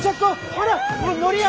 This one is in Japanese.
ほら乗りや。